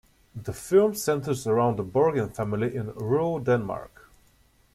The film centers around the Borgen family in rural Denmark.